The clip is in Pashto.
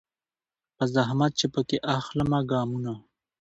په زحمت چي پکښي اخلمه ګامونه